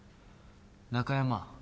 中山。